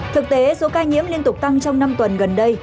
thực tế số ca nhiễm liên tục tăng trong năm tuần gần đây